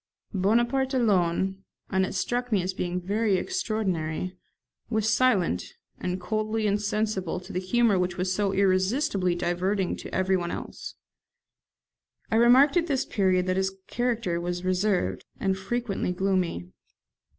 Bonaparte alone (and it struck me as being very extraordinary) was silent, and coldly insensible to the humour which was so irresistibly diverting to everyone else. I remarked at this period that his character was reserved, and frequently gloomy.